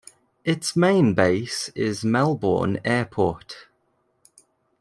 Its main base is Melbourne Airport.